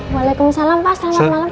waalaikumsalam pa selamat malam